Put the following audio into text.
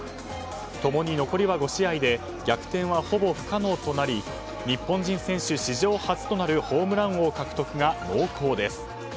共に残りは５試合で逆転はほぼ不可能となり日本人選手史上初となるホームラン王獲得が濃厚です。